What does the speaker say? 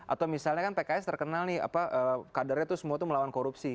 atau misalnya kan pks terkenal nih kadernya tuh semua tuh melawan korupsi